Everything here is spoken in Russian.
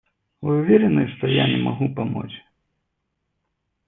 Вы уверены, что я не могу помочь?